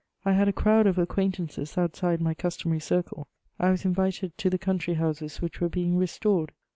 I had a crowd of acquaintances outside my customary circle. I was invited to the country houses which were being restored.